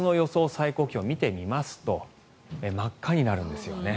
最高気温を見てみますと真っ赤になるんですよね。